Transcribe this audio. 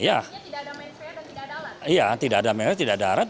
artinya tidak ada mensriah dan tidak ada alat